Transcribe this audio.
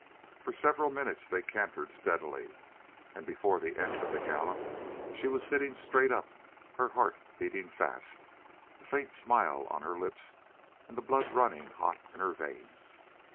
For several minutes they cantered steadily, and before the end of the gallop she was sitting straight up, her heart beating fast, a faint smile on her lips, and the blood running hot in her veins.